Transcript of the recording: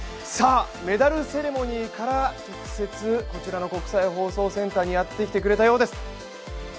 メダルセレモニーから、直接こちらの国際放送センターにやってきてくれたそうです。